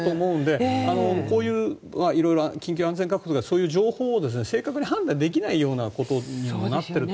こういう色々な緊急安全確保とかそういう情報を正確に判断できないようなことにもなっていると。